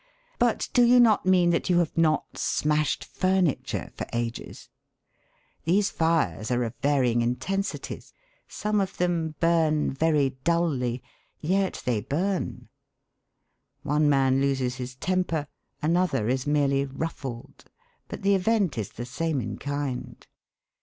But do you not mean that you have not smashed furniture for ages? These fires are of varying intensities. Some of them burn very dully. Yet they burn. One man loses his temper; another is merely 'ruffled.' But the event is the same in kind.